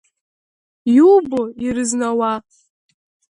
Иубо, ирызнауа?!